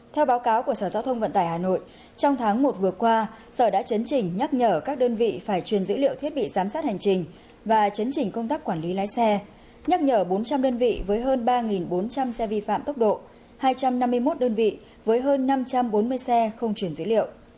theo báo cáo của sở giao thông vận tải hà nội trong tháng một vừa qua sở đã chấn chỉnh nhắc nhở các đơn vị phải truyền dữ liệu thiết bị giám sát hành trình và chấn chỉnh công tác quản lý lái xe nhắc nhở bốn trăm linh đơn vị với hơn ba bốn trăm linh xe vi phạm tốc độ hai trăm năm mươi một đơn vị với hơn năm trăm bốn mươi xe không chuyển dữ liệu